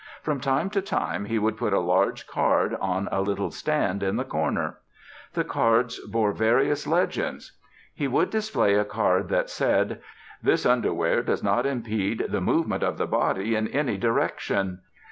From time to time he would put a large card on a little stand in the corner. The cards bore various legends. He would display a card that said, "THIS UNDERWEAR DOES NOT IMPEDE THE MOVEMENT OF THE BODY IN ANY DIRECTION."